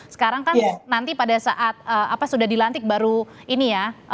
sekarang kan nanti pada saat apa sudah dilantik baru ini ya